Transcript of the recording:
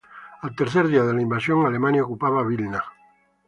Al tercer día de la invasión, Alemania ocupaba Vilna.